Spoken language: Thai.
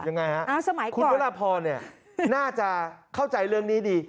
ยังไงฮะคุณวรพรเนี่ยน่าจะเข้าใจเรื่องนี้ดี